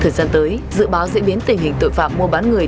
thời gian tới dự báo diễn biến tình hình tội phạm mua bán người